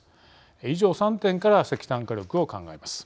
以上３点から石炭火力を考えます。